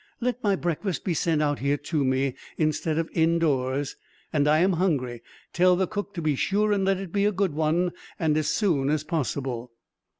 "Let my breakfast be sent out here to me, instead of indoors. And I am hungry. Tell the cook to be sure and let it be a good one, and as soon as possible."